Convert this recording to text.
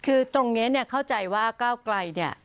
คือตรงเนี้ยเข้าใจว่ากล่าวไกลเนี้ย